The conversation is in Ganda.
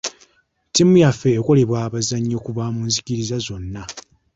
Ttiimu yaffe ekolebwa abazannyi okuva mu nzikiriza zonna.